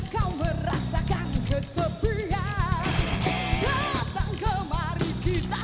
tantri negeriku yang ku cinta